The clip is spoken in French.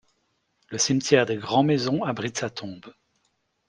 Le cimetière des Grand' Maisons abrite sa tombe.